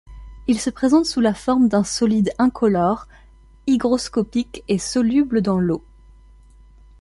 Il se présente sous la forme d'un solide incolore, hygroscopique et soluble dans l'eau.